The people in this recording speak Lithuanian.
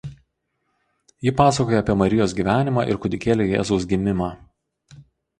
Ji pasakoja apie Marijos gyvenimą ir kūdikėlio Jėzaus gimimą.